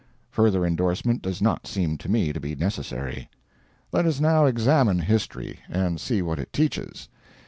Further endorsement does not seem to me to be necessary. Let us now examine history, and see what it teaches.